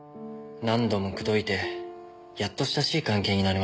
何度も口説いてやっと親しい関係になれました。